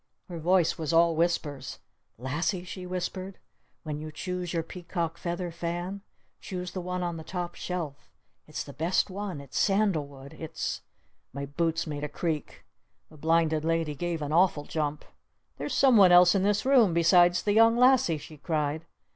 Her voice was all whispers. "Lassie," she whispered, "when you choose your Peacock Feather Fan choose the one on the top shelf! It's the best one! It's sandal wood! It's " My boots made a creak. The Blinded Lady gave an awful jump! "There's someone else in this room besides the Young Lassie!" she cried.